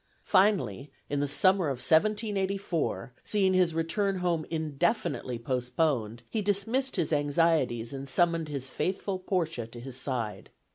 Finally, in the summer of 1784, seeing his return home indefinitely postponed, he dismissed his anxieties and summoned his faithful Portia to his side.